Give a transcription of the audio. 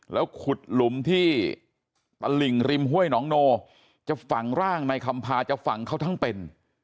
แล้วขุดหลุมที่ตลิ่งริมห้วยหนองโนจะฝังร่างในคำพาจะฝังเขาทั้งเป็น